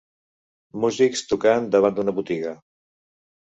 Músics tocant davant d'una botiga